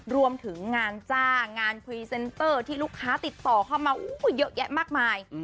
รวมถึงงานจ้างงานพรีเซนเตอร์ที่ลูกค้าติดต่อเข้ามาเยอะแยะมากมาย